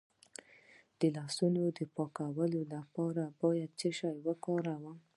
د لاسونو د پاکوالي لپاره باید څه شی وکاروم؟